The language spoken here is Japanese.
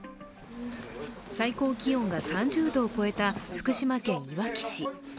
最高気温が３０度を超えた福島県いわき市。